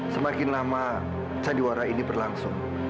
semakin lama candiwara ini berlangsung